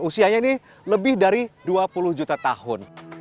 usianya ini lebih dari dua puluh juta tahun